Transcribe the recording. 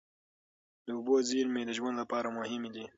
د اوبو زېرمې د ژوند لپاره مهمې دي.